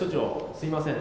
すいません